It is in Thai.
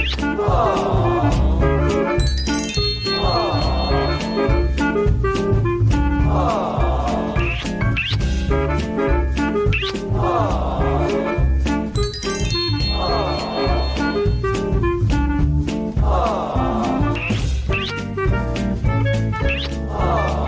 สวัสดีค่ะ